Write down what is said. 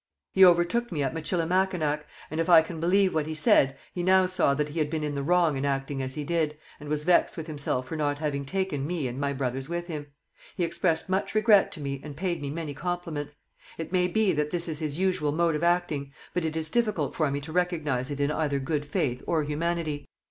He overtook me at Michilimackinac, and if I can believe what he said, he now saw that he had been in the wrong in acting as he did, and was vexed with himself for not having taken me and my brothers with him. He expressed much regret to me and paid me many compliments. It may be that this is his usual mode of acting; but it is difficult for me to recognize in it either good faith or humanity.